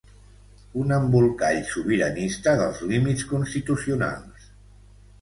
Un embolcall sobiranista dels límits constitucionals